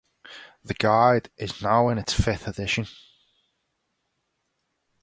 The guide is now in its fifth edition.